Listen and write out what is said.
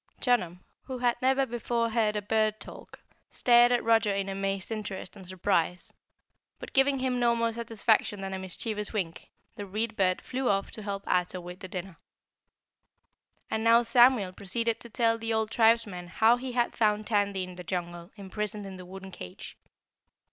Chunum, who had never before heard a bird talk, stared at Roger in amazed interest and surprise, but giving him no more satisfaction than a mischievous wink, the Read Bird flew off to help Ato with the dinner. And now Samuel proceeded to tell the old tribesman how he had found Tandy in the jungle imprisoned in the wooden cage.